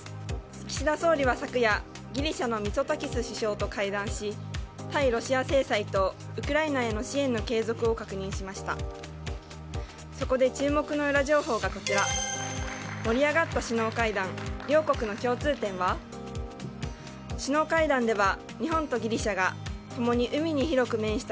岸田総理は昨夜、ギリシャのミツォタキス主張と会談し対ロシア制裁とウクライナへの支援の継続を確認しました。